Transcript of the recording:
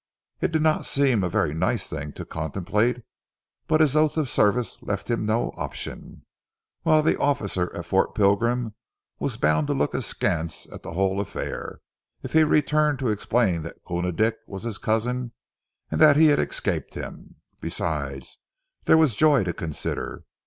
It did not seem a very nice thing to contemplate, but his oath of service left him no option, whilst the officer at Fort Pilgrim was bound to look askance at the whole affair, if he returned to explain that Koona Dick was his cousin, and that he had escaped him. Besides, there was Joy to consider.